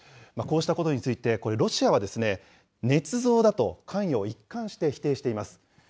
こうしたことについて、これ、ロシアは、ねつ造だと関与を一貫して否定しています。